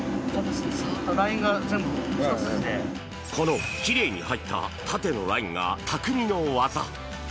この、きれいに入った縦のラインが匠の技。